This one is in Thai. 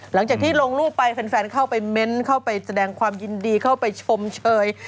หลังจากที่ลงรูปไปแฟนเข้าไปเม้นเข้าไปแสดงความยินดีเข้าไปชมเชย